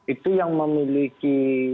itu yang memiliki